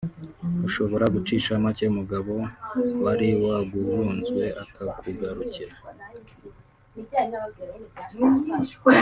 ushobora gucisha make umugabo wari waguhuzwe akakugarukira